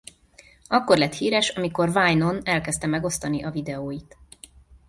Akkor lett híres amikor Vine-on elkezdte megosztani a videóit.